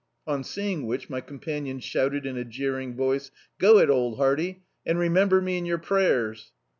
On seeing which my companion shouted in a jeering voice — "Go it, old hearty, and remember me in yer prayers."